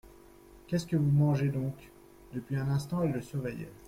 Qu'est-ce que vous mangez donc ? Depuis un instant, elle la surveillait.